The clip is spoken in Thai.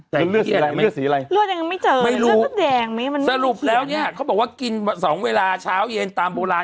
ใจเยี่ยมไหมเลือดสีอะไรเลือดสีอะไรไม่รู้สรุปแล้วเนี่ยเขาบอกว่ากิน๒เวลาเช้าเย็นตามโบราณ